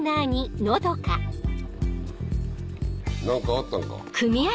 何かあったんか？